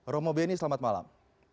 romo beni selamat malam